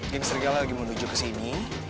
game serigala lagi menuju kesini